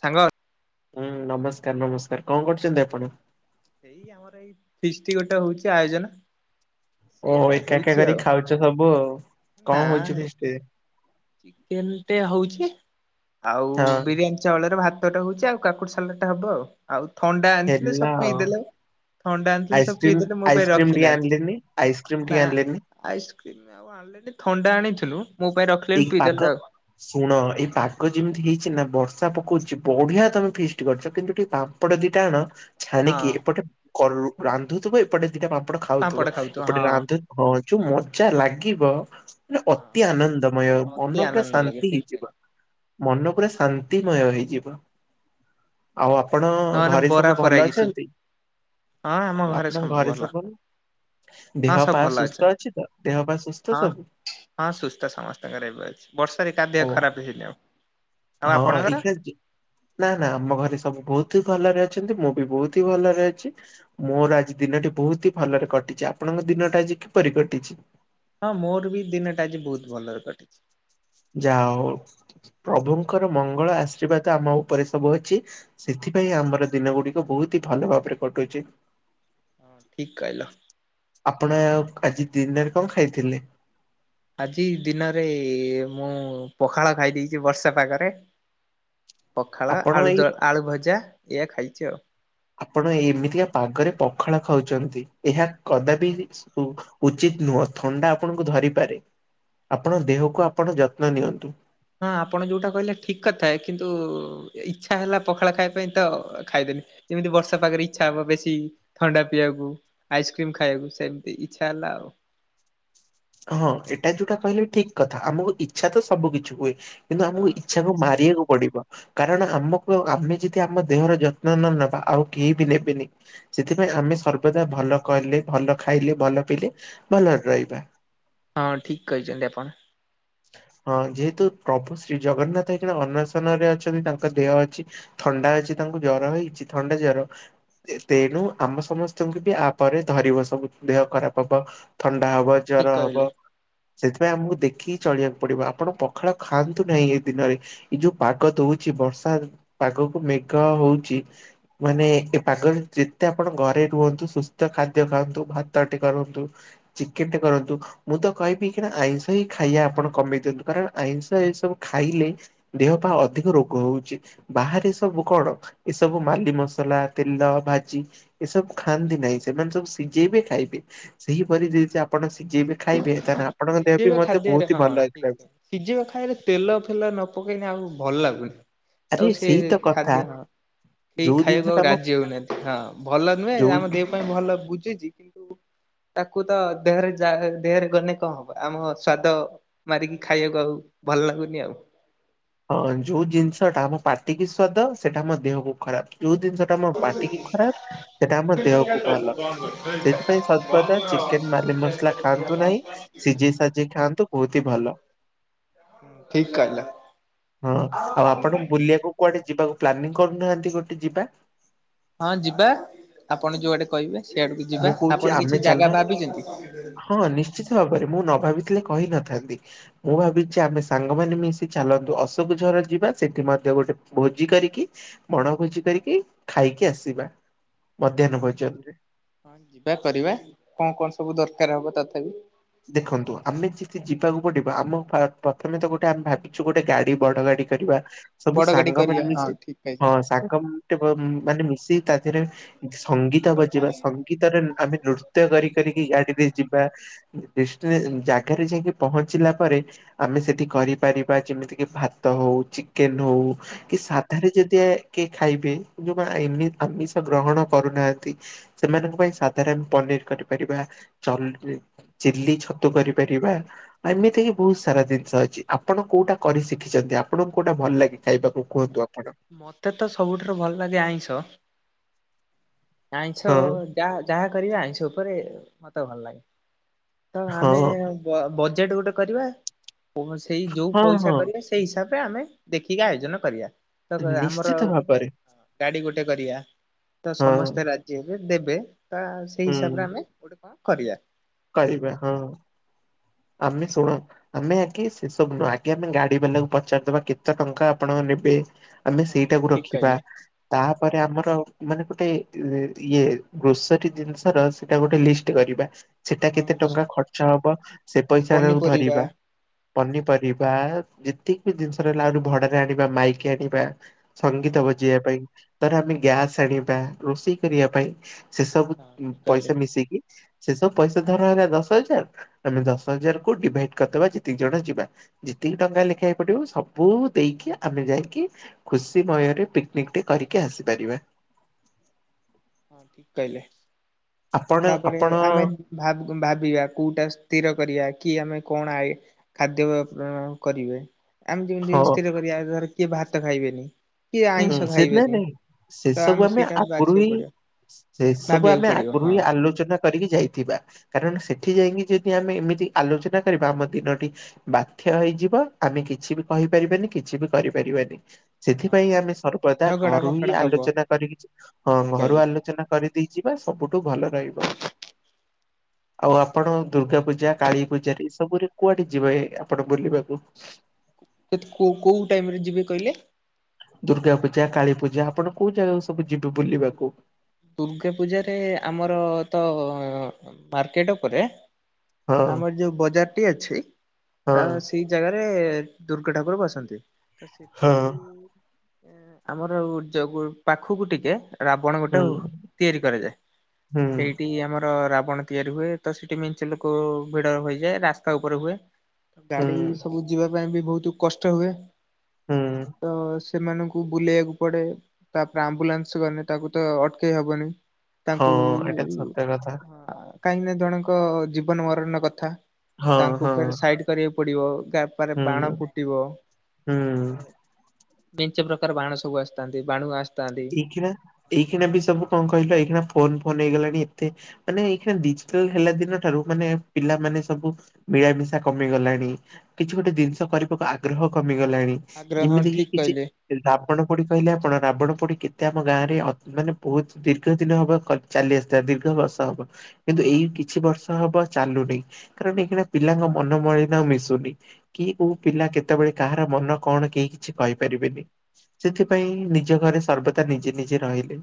ସାଙ୍ଗ ହୁଁ ନମସ୍କାର ନମସ୍କାର କଣ କରୁଛନ୍ତି ଆପଣ? ଏଇ ଆମର ଏଇ ଫିଷ୍ଟି ଗୋଟେ ହଉଛି ଆୟୋଜନ। ଓହୋ ସେଆ ଏକା ଏକା ହଉଛି କରି ଆଉ ଖାଉଛ ସବୁ ଆଉ ନା କଣ ହଉଛି ଫିଷ୍ଟି ରେ? ଚିକେନ ଟେ ହଉଛି ଆଉ ହଁ ବିରିୟାନୀ ଚାଉଳରେ ଭାତ ଟା ହଉଛି ଆଉ କାକୁର ସାଲା ଟା ହବ। ଆଉ ଆଉ ଥଣ୍ଡା ଆଣିଥିଲେ ହେଲା ସବୁ ଆଉ। ପିଇଦେଲେ। ଥଣ୍ଡା ଆଣିଥିଲେ ସବୁ ଆଇସ୍କ୍ରିମ ପିଇଦେଲେ ମୋ ପାଇଁ ଆଇସ୍କ୍ରିମ ଟିକେ ରଖିନାହାନ୍ତି। ଆଣିଲେନି ଆଇସ୍କ୍ରିମ ନା ଟିକେ ଆଣିଲେନି ଆଇସ୍କ୍ରିମ ଆଉ ଆଣିଲେନି ଥଣ୍ଡା ଆଣିଥିଲୁ ମୋ ପାଇଁ ରଖି ଏହି ପାଗ ଶୁଣ ଏଇ ପାଗ ଯେମିତି ହେଇଛି ନା ବର୍ଷା ପକଉଛି ବଢିଆ ତମେ ଫିଷ୍ଟ କରିଛ କିନ୍ତୁ ଟିକେ ଏପଟେ ଦିଟା ଆଣ ଛାଣିକି ହଁ ଏପଟେ କର ରାନ୍ଧୁଥିବ ଏପଟେ ଦିଟା ପା ପାମ୍ପଡ ଖାଉଥିବ ଏପଟେ ହଁ ରାଧ ହଁ ଯୋଉ ମଜା ଲାଗିବେ ହଁ ଅତି ଆନନ୍ଦ। ମୟ ଅତି ମନ ପରେ ଆନନ୍ଦ ଲାଗେ ଶାନ୍ତି ଠିକ କହିଲ ହେଇଯିବ ମନପୁରା ଶାନ୍ତିମୟ ହେଇଯିବ। ଆଉ ଆପଣ ନହେଲେ ଘରେ ବରା ସବୁ ଫରା ଭଲ କିଛି ଅଛନ୍ତି? ଆପଣଙ୍କ ଘରେ ସବୁ ଭଲ? ଦେହ ହଁ ସବୁ ପା ଭଲ ସୁସ୍ଥ ଅଛନ୍ତି ଅଛି ତ ଦେହ ପାଇଁ ସୁସ୍ଥ ହଁ ସବୁ? ହଁ ସୁସ୍ଥ ସମସ୍ତଙ୍କର ଏବେ ଅଛି ବର୍ଷାରେ କାହା ହଉ। ଖରାପ ହେଇନି ଆଉ। ହଁ ଆପଣଙ୍କର? ଏଇଖିଣା ଯ ନା ନା ଆମ ଘରେ ସବୁ ବହୁତ ହି ଭଲରେ ଅଛନ୍ତି ମୁଁ ବି ବହୁତ ହି ଭଲରେ ଅଛି। ମୋର ଆଜି ଦିନଟି ବହୁତ ହି ଭଲରେ କଟିଛି ଆପଣଙ୍କ ଦିନଟା ଆଜି କିପରି କଟିଛି? ହଁ ମୋର ବି ଦିନଟା ଆଜି ବହୁତ ଭଲରେ କଟିଛି। ଯା ପ୍ରଭୁଙ୍କର ମଙ୍ଗଳ ଆଶୀର୍ବାଦ ଆମ ଉପରେ ସବୁ ଅଛି ସେଥିପାଇଁ ଆମର ଦିନ ଗୁଡିକ ବହୁତ ହି ଭଲ ଭାବରେ କଟୁଛି। ହଁ ଠିକ କଇଲ। ଆପଣ ଆଜି ଦିନରେ କଣ ଖାଇଥିଲେ? ଆଜି ଦିନରେ ମୁଁ ପଖାଳ ଖାଇ ଦେଇେଛି ବର୍ଷା ପାାଗରେ। ପଖାଳ ଆପଣ ଏଇ ଆଳୁଦ ଆଳୁ ଭଜା ଏଇଆ ଖାଇଛି ଆଉ। ଆପଣ ଏମିତିକା ପାଗରେ ପଖାଳ ଖାଉଛନ୍ତି ଏହା କଦାପି ଉଚିତ ନୁହଁ ଥଣ୍ଡା ଆପଣଙ୍କୁ ଧରିପାରେ। ଆପଣ ଦେହକୁ ଆପଣ ଯତ୍ନ ନିଅନ୍ତୁ। ହଁ ଆପଣ ଯୋଉଟା କହିଲେ ଠିକ କଥାଏ କିନ୍ତୁ ଇଚ୍ଛା ହେଲା ପଖାଳ ଖାଇବା ପାଇଁ ତ ଖାଇଦେନି ଯେମିତି ବର୍ଷା ପାାଗରେ ଇଛା ହବ ବେଶୀ ଥଣ୍ଡା ପିଇବାକୁ ଆଇସ୍କ୍ରିମ ଖାଇବାକୁ ସେମିତି ଇଚ୍ଛା ହେଲା ଆଉ। ହଁ ଏଇଟା ଯୋଉଟା କହିଲେ ଠିକ କଥା ଆମକୁ ଇଚ୍ଛା ତ ସବୁ କିିଛି ହୁଏ କିନ୍ତୁ ଆମକୁ ହଁ ଇଛା ତାକୁ ମାରିବାକୁ ପଡିବ। କାରଣ ଆମକୁ ଆମେ ଯଦି ଆମ ଦେହର ଯତ୍ନ ନ ନେବା ଆଉ କେହି ବି ନେବେନି ସେଥିପାଇଁ ଆମେ ସର୍ବଦା ଭଲ କଲେ ଭଲ ଖାଇଲେ ଭଲ ପିଇଲେ ଭଲରେ ରହିବା। ହଁ ଠିକ୍ କହିଛନ୍ତି ଆପଣ। ହଁ ଯେହେତୁ ପ୍ରଭୁ ଶ୍ରୀ ଜଗନ୍ନାଥ ହେଇକଣ ଅନ୍ଶନ ରେ ଅଛନ୍ତି ତାଙ୍କ ଦେହ ଅଛି ଥଣ୍ଡା ହେଇଛି ତାଙ୍କୁ ଜର ହେଇଛି ଥଣ୍ଡା ଜର ତେଣୁ ଆମ ସମସ୍ତଙ୍କୁ ବି ଆପ ଧରିବ ସବୁ ଦେହ ଖରାପ ହବ ହଁ ଥଣ୍ଡା ହବ ଠିକ ଜର ହବ କହିଲେ। ସେଥିପାଇଁ ଆମକୁ ଦେଖି ଚଳିବାକୁ ପଡିବ ଆପଣ ପଖାଳ ଖାଆନ୍ତୁ ନାହିଁ ଏଇ ଦିନ ଏଇ ଯୋଉ ପାଗ ଦଉଛି ବର୍ଷା ପାଗକୁ ମେଘ ହଉଛି ମାନେ ଏ ପାଗରେ ଯେତେ ଆପଣ ଘରେ ରୁହନ୍ତୁ ସୁସ୍ଥ ଖାଦ୍ୟ ଖାଆନ୍ତୁ ଭାତଟି କରନ୍ତୁ। ଚିକେନ ଟେ କରନ୍ତୁ ମୁଁ ତ କହିବି କି ନା ଆଇଁଷ ହିଁ ଖାଇବା। ଆପଣ କମେଇ ଦିଅନ୍ତୁ କାରଣ ଆଇଁଷ ଏ ସବୁ ଖାଇଲେ ଦେହ ପାଇଁ ଅଧିକ ରୋଗ ହଉଛି। ବାହାରେ ସବୁ କଣ ଏ ସବୁ ମାଲି ମସଲା ତେଲ ଭାଜି। ଏସବୁ ଖାଆନ୍ତି ନାହିଁ ସେମାନେ ସବୁ ସିଝେଇବେ ଖାଇବେ। ସେହିପରି ଯଦି ଆପଣ ସି ଯ ବି ଖାଇବେ ତାହେଲେ ଆପଣଙ୍କ ଦେହ ବି ସିଝେଇବା ମ ମଧ୍ୟେ ବହୁତ ଖାଦ୍ୟରେ ହି ହଁ ଭଲ ହେଇଥାନ୍ତା ଠିକ ସିଝିବା ଖାଇଲେ ତେଲ ଫେଲ ନ ପକେଇନି ଆଉ ଭଲ ଲାଗୁନି। ଆରେ ତାଉ ସେ ସେଇ ତ କଥା ଖାଦ୍ୟ ନା ଏଇ ଯୋଉ ଜିନିଷ ଖାଇବାକୁ ଆଉ ଟା ଆମ ରାଜି ହଉନାହାନ୍ତି ହଁ ଭଲ ନୁହେଁ ଯୋଉ ଆମ ଦେହ ପାଇଁ ଭଲ ବୁଝୁଛି କିନ୍ତୁ ତାକୁ ତ ଦେହରେ ଯା ଦେହରେ ଗଲେ କଣବ ଆମ ସ୍ଵାଦ ମାରିକି ଖାଇବାକୁ ଆଉ ଭଲ ଲାଗୁନି ଆଉ। ହଁ ଯୋଉ ଜିନିଷଟା ଆମ ପାଟିକି ସ୍ଵାଦ ସେଇଟା ମୋ ଦେହକୁୁ ଖରାପ ଯୋଉ ଜିନିଷ ତମ ବାଟିକି ଖରାପ ସେଟା ଆମ ଦେହକୁ ଭଲ ସେଥିପାଇଁ ସର୍ବଦା ଚିକେନ ମାଲି ମସଲା ଖାଆନ୍ତୁ ନାହିଁ ସିଝେଇ ସାଜିି ଖାଆନ୍ତୁ ବହୁତ ହି ଭଲ। ଠିକ କହିଲ। ହଁ ଆଉ ଆପଣ ବୁଲିବାକୁ କୁଆଡେ ଯିବାକୁ ପ୍ଲାନିଂ କରୁନାହାନ୍ତି ଗୋଟେ ଯିବା। ହଁ ଯିବା ଆପଣ ଯୋଉଆଡେ କହିବେ ସେଆଡକୁ ମୁଁ ଯିବା କହୁଛି ଆପଣ ଆମେ କିଛି ଚାଲୁନ ଜାଗା ଭାବିଛନ୍ତି? ହଁ ନିଶ୍ଚିତ ଭାବରେ ମୁଁ ନ ଭାବିଥିଲେ କହି ନଥାନ୍ତି ମୁଁ ଭାବିଛି ଆମେ ସାଙ୍ଗମାନେ ମିଶି ଚାଲନ୍ତୁ ଅଶୋକଝର ଯିବା ସେଠି ମଧ୍ୟ ଗୋଟେ ଭୋଜି କରିକି ବଣଭୋଜି କରିକି ଖାଇକି ଆସିବା ହଁ। ମଧ୍ୟାହ୍ନ ଭୋଜନ ରେ। ହଁ ଯିବା କରିବା କଣ କଣ ସବୁ ଦରକାର ହବ ତଥାପି? ଦେଖନ୍ତୁ ଆମେ ଯେତେ ଯିବାକୁ ପଡିବ ଆମ ପ୍ରଥମେ ତ ଗୋଟେ ଆମେ ଭାବିଛୁ ଗୋଟେ ଗାଡି ବଡ ଗାଡି କରିବା ସବୁ ବଡ ଗାଡି ସାଙ୍ଗ କରିବା ମାନ ହଁ ମିଶି ଠିକ କହିଛ। ହଁ ସା ମାନେ ମିଶି ତା ଦେହରେ ସଙ୍ଗୀତ ବଜେଇବା ସ ଗୀତରେ ଆମେ ନୃତ୍ୟ କରି କରିକି ଗାଡିରେ ଯିବା ଡଷ୍ ଜାଗାରେ ଯାଇକି ପହଞ୍ଚିଲା ପରେ ଆମେ ସେଠି କରିପାରିବା ଯେମିତି କି ଭାତ ହଉଛି ଚି କେନଉ କି ସାଧାରେ ଯଦି କିଏ ଖାଇବେ ଯୋଉ ଆମିଷ ଗ୍ରହଣ କରୁନାହାନ୍ତି ସେମାନଙ୍କ ପାଇଁ ସାଧାରଣ ପନିର କରିପାରିବାଉ ନ। ଚିଲି ଛତୁ କରିପାରିବା ଏମିତିକି ବହୁତ ସାରା ଜିନିଷ ଅଛି ଆପଣ କୋଉଟା କରି ଶିଖିଛନ୍ତି ଆପଣଙ୍କୁ କୋଉଟା ଭଲ ଲାଗେ? ଖାଇବାକୁ କୁହନ୍ତୁ ଆପଣ ମୋତେ ତ ସବୁଠାରୁ ଭଲ ଲାଗେ ଆଇଁଷ ଆଇଁଷ ହଁ ଯାହା ଯାହା କରିବା ଆଇଁଷ ଉପରେ ମୋତେ ଭଲ ଲାଗେ। ତ ଆମେ ହଁ ବଜେଟ ଗୋଟେ କରିବା ସେଇ ଯୋଉ ହଁ ପଇସା ହଁ କରିବା। ସେଇ ହିସାବରେ ଆମେ ଦେଖିକି ଆୟୋଜନ କରିବା ତ ଆମର ନିଶ୍ଚିତ ଭାବରେ ଗାଡି ଗୋଟେ କରିବା ତ ହଁ ସମସ୍ତେ ରାଜି ହେବେ ଦେବେ ତ ସେଇ ହିସାବରେ ଆମେ ଗୋଟେ କଣ କରିବା କିବ ହଁ ଆମେ ଶୁଣ ଆମେ ଆଜ୍େ ସେ ସବୁ ନୁହଁ ଆଗ ଆମେ ଗାଡି ବାଲାକୁ ପଚାରିଦବା କେତେ ଟଙ୍କା ଆପଣଙ୍କ ନେବେ? ଆମେ ହଁ ସେଇଟାକୁ ଠିକ ରଖିବା। କହିଲେ ତାପରେ ଆମର ମାନେ ଗୋଟେ ଇଏ ଗ୍ରୋସରୀ ଜିନିଷର ସେଟା ଗୋଟେ ଲିଷ୍ଟ କରିବା ସେଟା କେତେ ହଁ ଟଙ୍କା ଖର୍ଚ୍ଚ ହବ ସେ ଆଉ ପଇସା କୁ ପନିପରିବା ଧରିବା। ପନିପରିବା ଯେତିକି ବି ଜିନିଷ ରହିଲା ଆହୁରି ଭଡରେ ଆଣିବା ମାଇକି ଆଣିବା। ହଁ ସଙ୍ଗୀତ ବଜେଇିବା ପାଇଁ ଧର ଆମେ ଗ୍ୟାସ୍ ଆଣିବା ରୋଷେଇ କରିବା ପାଇଁ। ସେ ସବୁ ହଁ ଠିକ କହିଲେ ପଇସା ମିଶିକି ସେ ସବୁ ପଇସା ଧର ହେଲା ଦଶ ହଜାର ଆମେ ଦଶ ହଜାର କୁ ଡିଭାଇଡ କରିଦବା ଯେ ଦତିି ଜଣ ଯିବା ଯେତିକି ଟଙ୍କା ଲେଖା ହେ ପଡିବ ସବୁ ଦେଇକି ଆମେ ଯାଇକି ଖୁସି ଭୟରେ ପିକନିକଟି କରିକି ଆସିପାରିବା। ହଁ ଠିକ କହିଲେ ଆପଣ ତାପରେ ଆପଣ ଆମେ ଭାବ ଭାବିବା କୋଉଟା ସ୍ଥିର କରିବା କି ଆମେ କଣ ଆଏ ଖାଦ୍ୟ ପ୍ର କରିବେ ଆମେ ଯେମିତି ହଁ ସ୍ଥିର କରିବାର କିଏ ଭାତ ଖାଇବେନି। କିଏ ହୁଁ ଆଇଁଷ ସେ ଖାଇବେନି [unintelligible] ସେ ତ ସବୁ ଆମେ ସେଇଟା ଆଗ୍ର ବାଛିବାକୁ ହିଂ ପଡିବ ସେଇ ସବୁ ଭାବିବାକୁ ଆମେ ପଡିବ ଆଗରୁ ହଁ ହିଁ ଆଲୋଚନା କରିକି ଯାଇଥିବା। କାରଣ ସେଠି ଯାଇକି ଯଦି ଆମେ ଏମିତି ଆଲୋଚନା କରିବା ଆମ ଦିନଟି ବାଧ୍ୟ ହେଇଯିବ ଆମେ କିଛି ବି କହିପାରିବାନି କିଛି ବି କରିପାରିବାନି। ହଁ ପାଇଁ ଆମେ ସର୍ବଦା ଝଗଡା ଘରୁ ହି ଫକଡା ହବ ଆଲୋଚନା କରିକି ହଁ ଠିକ ଘରୁ କହିଲେ ଆଲୋଚନା କରି ଦେଇଯିବା ସବୁଠୁ ଭଲ ରହିବ। ଆଉ ଆପଣ ଦୁର୍ଗା ପୂଜା କାଳୀ ପୂଜାରେ ଏ ସବୁରେ କୁଆଡେ ଯିବେ ଆପଣ ବୁଲିବାକୁ? ତତେ କୋଉ ଟାଇମରେ ଯିବେ କହିଲେ? ଦୁର୍ଗା ପୂଜା କାଳୀ ପୂଜା ଆପଣ କୋଉ ଜାଗାକୁ ସବୁ ଯିବେ ବୁଲିବାକୁ? ଦୁର୍ଗା ପୂଜାରେ ଆମର ତ ମାର୍କେଟ ଉପରେ। ହଁ ଆମର ଯଉ ବଜାରଟି ଅଛି ହଁ ତା ସେଇ ଜାଗାରେ ଦୁର୍ଗା ଠାକୁର ବସନ୍ତି। ତ ସେଠି ହଁ। ଆମର ପାଖକୁ ଟିକେ ରାବଣ ଗୋଟେ ହୁଁ ତିଆରି କରାଯାଏ। ହୁଁ ସେଇଠି ଆମର ରାବଣ ତିଆରି ହୁଏ ତ ସେଠି ମେଁଞ୍ଚ ଲୋକ ଭିଡ ହୋଇଇଯାଏ ରାସ୍ତା ଉପରେ ହୁଏ। ହୁଁ ଗାଡି ସବୁ ଯିବା ପାଇଁ ବି ବହୁତ କଷ୍ଟ ହୁଏ। ହୁଁ ତ ସେମାନଙ୍କୁ ବୁଲେଇବାକୁ ପଡେ ତାପରେ ଆମ୍ବୁଲାନ୍ସ ଗଲେ ତାକୁ ତ ଅଟକେଇ ହବନି। ହଁ ତାଙ୍କୁ ଏଇଟା ସତ କଥା। ହଁ କାହିଁକି ନା ଜଣଙ୍କ ଜୀବନ ମରଣର କଥା ହଁ ତାଙ୍କୁ ହଁ ଫେର ସାଇଡ କରିବାକୁ ପଡିବ ଗା ତାପରେ ବାଣ ହୁଁ ଫୁଟିବ ହୁଁ। ତାପରେ ବିଞ୍ଚ ପ୍ରକାର ବାଣ ସବୁ ଆସିଥାନ୍ତି ବାଣୁ ଆସିଥାନ୍ତି। ଏଇ ଏଇକଣା ବି ସବୁ କଣ କହିଲ ଏଇଣା ଫୋନ ଫୋନ ହେଇଗଲାଣି ଏତେ ମାନେ ଏଇ ଡିଜିଟାଲ ହେଲା ଦିନ ଠାରୁ ମାନେ ପିଲାମାନୋନେ ସବୁ ମିଳାମିଶା କମିଗଲାଣି କିଛି ଗୋଟେ ଜିନିଷ କରିବାକୁ ଆଗ୍ରହ କମିଗଲାଣି। ଆଗ୍ରହ ହଁ ଯେମିତି କି ଠିକ କିଛି କହିଲେ ରାବଣ ପୋଡି କହିଲେ ଆପଣ ରାବଣ ପୋଡି କେତେ ଆମ ଗାଁରେ ମାନେ ବହୁତ ଦୀର୍ଘ ଦିନ ହବ ଚାଲି ଆସି ଦୀର୍ଘ ବର୍ଷ ହବ। କିନ୍ତୁ ଏଇ କିଛି ବର୍ଷ ହବ ଚାଲୁନି କାରଣ ଏଇ ପିଲାଙ୍କ ମନମଳିନ ମିଶୁନି। କି ଓ ପିଲା କେତେବେଳେ କାହାର ମନ କଣ କେହି କିଛି କହିପାରିବେନି। ସେଥିପାଇଁ ନିଜ ଘରେ ସର୍ବଦା ନିଜେ ନିଜେ ରହିଲେ।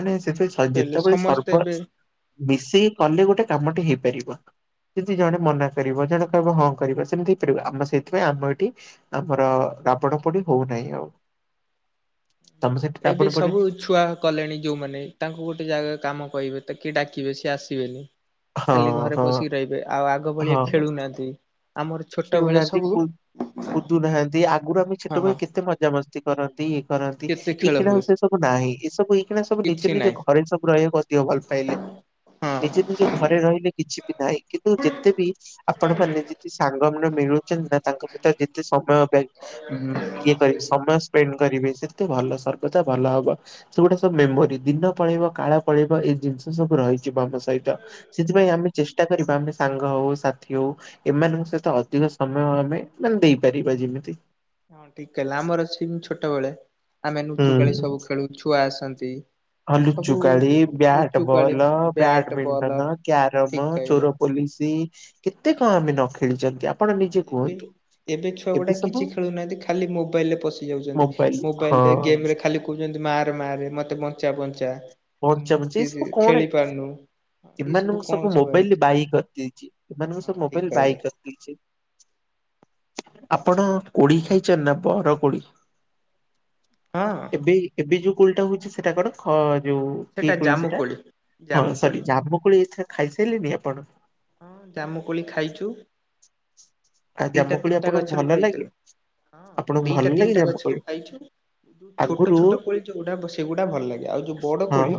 ମାନେ ସେ ହୁଁ ଠିକ କହିଲେ ଯେତେବେଳେ ସମସ୍ତେ ସର୍ବ ଏବେ ମିଶିକ କଲେ ଗୋଟେ କାମଟି ହେଇପାରିବ। ଯେମି ଜଣେ ମନା କରିବ ଜଣେ କହିବ ହଁ କରିବା ସେମିତି ହେଇପାରିବ ଆମ ସେଇଥିପାଇଁ ଆମ ଏଇଠି ଆମର ରାପଡ ପୋଡି ହଉନାହିଁ ଆଉ। ତମ ସେଠି ଏ ବି ରାବଣ ପୋଡି ସବୁ ଛୁଆ କଲେଣି ଯୋଉମାନେ ତାଙ୍କୁ ଗୋଟେ ଜାଗାରେ କାମ କହିବେ ତା କିଏ ଡାକିବେ ସିଏ ଆସିବେନି। ଖାଲି ହଁ ଘରେ ହଁ ପଶିକି ରହିବେ। ଆଉ ଆଗ ଭଳିଆ ହଁ ଖେଳୁନାହାନ୍ତି। ଆମର ଛୋଟବେଳେ ସବୁ ଦୁ ନାହାନ୍ତି ଆଗରୁ ଆମେ ହଁ ଛୋଟବେଳେ ହଁ କେତେ ମଜାମସ୍ତି କରନ୍ତି ଇଏ କରନ୍ତି। କେତେ ଏଇ ଖେଳ ଖିଣା ହୁଏ ଆଉ ସେ ସବୁ ନାହିଁ। ଏ ସବୁ ଏଇଖିଣା ସବୁ ନିଜେ କିଛି ନିଜ ନାହିଁ ଘରେ ସବୁ ରହିବା ଭଲ ପାଇଲେ ହଁ। ନିଜ ନିଜ ଘରେ ରହିଲେ କିଛି ବି ନାହିଁ କିନ୍ତୁ ଯେ ଆପଣ ଖାଲି ଯେତିକି ସାଙ୍ଗମାନେ ମିଳୁଛନ୍ତି ନା ତାଙ୍କ ଭିତରେ ଯେତେ ସମୟ ପା ଇଏ କରିବେ ସମୟ ସ୍ପେଣ୍ଡ କରିବେ ସେତେ ଭଲ ସର୍ବଦା ଭଲ ହବ। ସେଗୁଟା ସବୁ ମେମୋରି ଦିନ ପଳେଇବ କାଳ ପଳେଇବ ଏଇ ଜିନିଷ ସବୁ ରହିଛି ଆମ ସହିତ। ସେଥିପାଇଁ ଆମେ ଚେଷ୍ଟା କରିବା ଆମେ ସାଙ୍ଗ ହଉ ସାଥି ହଉ ଏମାନଙ୍କ ସହିତ ଅଧିକ ସମୟ ଆମେ ମାନେ ଦେଇପାରିବା ଯେମିତି। ହଁ ଠିକ କହିଲେ। ଆମର ସିମତି ଛୋଟବେଳେ ଆମେ ନୁଚୁକାଳି ସବୁ ଖେଳୁ ଛୁଆ ଆସନ୍ତି। ଆଉ ଲୁଚୁକାଳି ବ୍ୟାଟ ଲୁଚୁକାଳି ବଲ ବ୍ୟାଟ ବଲ ବ୍ୟାଡମିଣ୍ଟନ ଠିକ କ୍ୟାରମ କହିଲେ। ଚୋର ପୋଲିସ କେତେ କଣ ଆମେ ନଖେଳିଛନ୍ତି ଆପଣ ହଁ ନିଜେ ଏବେ କୁହନ୍ତୁ। ଏବେ ଛୁଆ ଗୁଡା କିଛି ଖେଳୁନାହାନ୍ତି। ଖାଲି ମୋବାଇଲ ରେ ପଶି ଯାଉଛନ୍ତି। ମୋବାଇଲ ହଁ ମୋବାଇଲରେ ଗେମରେ ଖାଲି କହୁଛନ୍ତି ମାରେ ମାରେ ମତେ ବଞ୍ଚା ବଞ୍ଚା। ମୁଁ ପଞ୍ଚାବଞ୍ଚା ସେ ଏଇ ସବୁ କଣ? ଖେଳି ପାରୁନୁ ଏଇ ଏମାନଙ୍କୁ କଣ ସବୁ ଭାଇ। ମୋବାଇଲ ବାଇ କରିଦେଇଛି। ଏମାନଙ୍କୁ ହଁ ସବୁ ଠିକ ମୋବାଇଲ କହିଲେ। ବାଇ କରିଦେଇଛି। ଆପଣ କୋଳି ଖାଇଛନ୍ତି ନା ବର କୋଳି? ହଁ। ଏବେ ଏବେ ଯୋଉ କୋଳିଟା ହଉଛି ସେଟା କଣ ଖ ଯୋଉ କିଏ କୋଳି ସେଟା? ହଁ ଜାମୁକୋଳି ସରି ଜାମୁ କୋଳି ଏଥର ଖାଇସାରିଲେଣିି ଆପଣ? ହଁ ଜାମୁକୋଳି ଖାଇଛୁ। ଆଉ ଦିଟା ଜାମୁକୋଳି ତିନିଟା ଆପଣଙ୍କୁ ଗଛରୁ ଭଲ ଲାଗେ ଖାଇଥିଲୁ। ହଁ ଆପଣଙ୍କୁ ଭଲ ଦିଟା ଲାଗେ ତିନିଟା ଗଛରୁ ଜାମୁକୋଳି? ଖାଇଛୁ। ଯୋଉ ଛୋଟ ଆଗରୁ ଛୋଟ କୋଳି ଯୋଉଗୁଡା ସେଗୁଡା ଭଲ ଲାଗେ। ଆଉ ଯୋଉ ବଡ କୋଳି ହଁ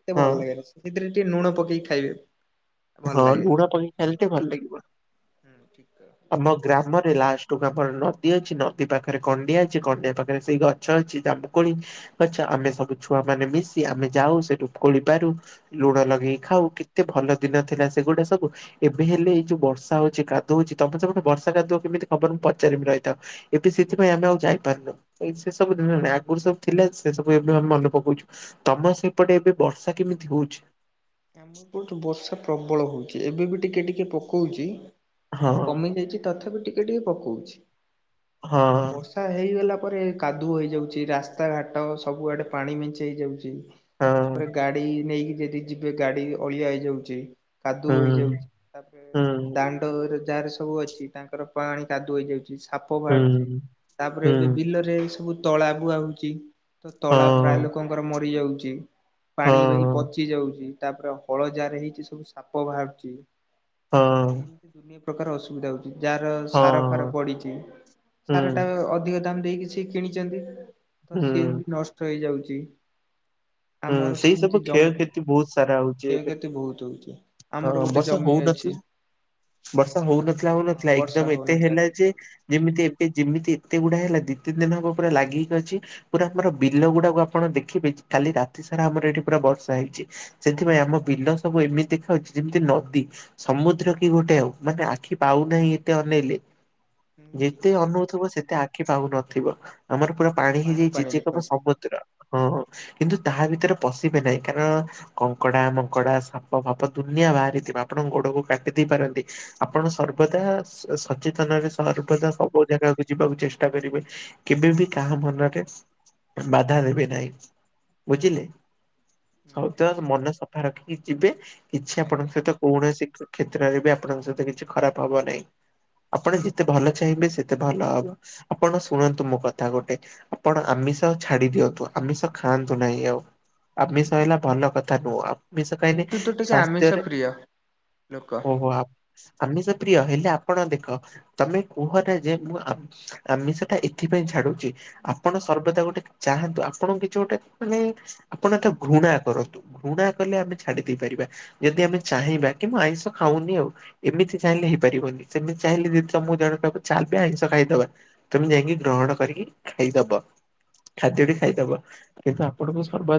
ମତେ ହଁ ଭଲ ଲାଗେନା। ସେଥିରେ ଟିକେ ଲୁଣ ପକେଇକି ଖାଇବେ। ଭଲ ହଁ ଲୁଣ ପକେଇକି ଖାଇଲେ ଟିକେ ଭଲ ଲାଗିବ। ହଁ ଠିକ୍ କ ଆମ ଗ୍ରାମରେ ଲାଷ୍ଟକୁ ଆମର ନଦୀ ଅଛି। ନଦୀ ପାଖରେ କଣ୍ଡିଆ ଅଛି। କଣ୍ଡିଆ ପାଖରେ ସେଇ ଗଛ ଅଛି। ଜାମୁକୋଳି ଗଛ ଆମେ ସବୁ ଛୁଆ ମାନେ ମିଶି ଆମେ ଯାଉ ସେଠୁ ଖୋଳି ପାରୁ। ଲୁଣ ଲଗେଇ ଖାଉ। କେତେ ଭଲ ଦିନ ଥିଲା ସେଗୁଡା ସବୁ। ଏବେ ହେଲେ ଏଇ ଯୋଉ ବର୍ଷା ହଉଛି କାଦୁଅ ହଉଛି। ତମେ ସେପଟେ ବର୍ଷା କାଦୁଅ କେମିତି ଖବର ମୁଁ ପଚାରିବି ରହିଥାଅ। ଏବେ ସେଥିପାଇଁ ଆମେ ଆଉ ଯାଇପାରୁନୁ। ଏଇ ସେ ସବୁ ଦିନ ଆଗରୁ ସବୁ ଥିଲେ ସେ ସବୁ ଏବେ ଆମେ ମନେ ପକଉଛୁ। ତମ ସେପଟେ ଏବେ ବର୍ଷା କେମିତି ହଉଛି? ଆମ ଏପଟେ ବର୍ଷା ପ୍ରବଳ ହଉଛି। ଏବେ ବି ଟିକେ ଟିକେ ପକଉଛି। ହଁ ତ କମିଯାଇଛି। ତଥାପି ଟିକେ ଟିକେ ପକଉଛି। ହଁ। ବର୍ଷା ହେଇଗଲା ପରେ କାଦୁଅ ହୋଇଯାଉଛି ରାସ୍ତାଘାଟ ସବୁଆଡେ ପାଣି ମେଞ୍ଚେ ହେଇଯାଉଛି। ହଁ ତାପରେ ଗାଡି ନେଇକି ଯଦି ଯିବେ ଗାଡି ଅଳିଆ ହେଇଯାଉଛି କାଦୁଅ ହୁଁ। ହେଇଯାଉଛି। ତାପରେ ଦାଣ୍ଡରେ ଯାହାର ସବୁ ଅଛି। ତାଙ୍କର ପାଣି କାଦୁଅ ହେଇଯାଉଛି। ସାପ ବାହାରୁଛି। ତାପରେ ଏବେ ବିଲରେ ସବୁ ତଳା ବୁଆ ହଉଛି। ତ ତଳା ପ୍ରାୟ ଲୋକଙ୍କର ମରି ଯାଉଛି। ପାଣି ଏବେ ହେଇ ପଚିଯାଉଛି। ତାପରେ ହଳ ଯାହାର ହେଇଛି ସବୁ ସାପ ବାହାରୁଛି। ଦୁନିଆ ପ୍ରକାର ଅସୁବିଧା ହଉଛି। ଯାହାର ସାର ଫାର ପଡିଛି ସାରଟା ଅଧିକ ଦାମ ଦେଇକି ସିଏ କିଣିଛନ୍ତି। ତ ସିଏ ବି ନଷ୍ଟ ହେଇଯାଉଛି। ହୁଁ ଆମର ସେଇ ସେମିତି ସବୁ ଜମି କ୍ଷୟକ୍ଷତି ବହୁତ ଖରା ହଉଛି ଏବେ। କ୍ଷୟକ୍ଷତି ବହୁତ ହଉଛି ଆମର ହଁ ଗୋଟେ ବର୍ଷ ଜମି ଅଛି ହଉନଥିଲା। ବର୍ଷା ଆମର ହଉନଥିଲା ହଁ ହଉନଥିଲା ବର୍ଷା ଏକଦମ ଏତେ ହଉନଥିଲା ହେଲା ଠିକ ଯେ କହିଲେ ଯେମିତି ଏତେ ଯେମିତି ଏତେ ଗୁଡା ହେଲା ଦି ତିନି ଦିନ ହବ ପୁରା ଲାଗିକି ଅଛି। ପୁରା ଆମର ବିଲ ଗୁଡାକୁ ଆପଣ ଦେଖିବେ କାଲି ରା ରାତିସାରା ଆମର ଏଠି ପୁରା ବର୍ଷା ହେଇଛି। ସେଥିପାଇଁ ଆମ ବିଲ ସବୁ ଏମିତି ଦେଖାଯାଉଛି ଯେମିତି ନଦୀ। ସମୁଦ୍ର କି ଗୋଟେ ଆଉ। ମାନେ ଆଖି ପାଉନାହିଁ ଏତେ ଅନେଇଲେ। ହୁଁ ଠିକ ଯେତେ କହିଲେ ଅନଉଥିବ ସେତେ ଆଖି ପାଉନଥିବ। ଆମର ପୁରା ଖାଲି ପାଣି ହେଇଯାଇଛି ପାଣି ଯିଏ କହିବ ଦେଖାଉଥିଲା। ସମୁଦ୍ର। ହଁ କିନ୍ତୁ ତାହା ଭିତରେ ପଶିବେ ନାହିଁ କାରଣ କଙ୍କଡା ମଙ୍କଡା ସାପ ଫାପ ଦୁନିଆ ବାହାରିଥିବ ଆପଣଙ୍କ ଗୋଡକୁ କାଟି ଦେଇପାରନ୍ତି। ଆପଣ ସର୍ବଦା ସଚେତନରେ ସର୍ବଦା ସବୁ ଜାଗାକୁ ଯିବାକୁ ଚେଷ୍ଟା କରିବେ। କେବେବି କାହା ମନରେ ବାଧା ଦେବେ ନାହିଁ। ବୁଝିଲେ ହୁଁ ସଉ ତ ମନ ସଫା ରଖିକି ଯିବେ କିଛି ଆପଣଙ୍କ ଆଜ୍ଞା ସହିତ କୌଣସି କ୍ଷେତ୍ରରେ ବି ଆପଣଙ୍କ ସହିତ କିଛି ଖରାପ ହବ ନାହିଁ ଆପଣ ଯେତେ ଆଜ୍ଞା ଭଲ ଚାହିଁବେ ସେତେ ଭଲ ହବ। ଆପଣ ଶୁଣନ୍ତୁ ମୋ କଥା ଗୋଟେ ଆପଣ ଆମିଷ ଛାଡି ଦିଅନ୍ତୁ ଆମିଷ ଖାଆ ନ୍ତୁ ନାହିଁ ଆଉ ଆମିଷ ହେଲା ଭଲ କଥା ନୁହଁ। ଆମିଷ ମୁଁ ଖାଇଲେ କିନ୍ତୁ ଟିକେ ସ୍ୱାସ୍ଥ୍ୟରେ ଆମିଷ ପ୍ରିୟ ଲୋକ। ଓହୋ ଆମିଷ ପ୍ରିୟ ହେଲେ ଆପଣ ଦେଖ ତମେ କୁହନା ଯେ ମୁଁ ଆମି ଆମିଷଟା ଏଥିପାଇଁ ଛାଡୁଛି ଆପଣ ସର୍ବଦା ଗୋଟେ ଚାହାନ୍ତୁ ଆପଣଙ୍କୁ କିଛି ଗୋଟେ ମାନେ ଆପଣ ଏ ତ ଘୃଣା କରନ୍ତୁ, ଘୃଣା କଲେ ଆମେ ଛାଡି ଦେଇପାରିବା। ଯଦି ଆମେ ଚାହିଁବା କି ମୁଁ ଆଇଁଷ ଖାଉନି ଆଉ। ଏମିତି ଚାହିଁଲେ ହେଇପାରିବନି ସେମିତି ଚାହିଁଲେ ଯଦି ତମକୁ ଜଣେ କହିବ ଚାଲ ବେ ଆଇଁଷ ଖାଇଦବା। ତମେ ଯାଇକି ଗ୍ରହଣ କରିକି ଖାଇଦବ ଖାଦ୍ୟଟି ଖାଇଦବ। କିନ୍ତୁ ଆପଣଙ୍କୁ ସର୍ବା